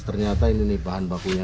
ternyata ini bahan bakunya